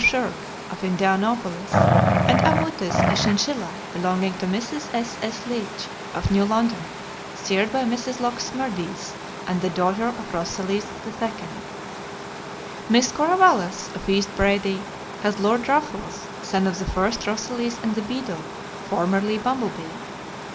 Shirk, of Indianapolis; and Amytis, a chinchilla belonging to Mrs. S.S. Leach, of New London, sired by Mrs. Locke's Smerdis, and the daughter of Rosalys II. Miss Cora Wallace, of East Brady, Pa., has Lord Ruffles, son of the first Rosalys and The Beadle, formerly Bumble Bee.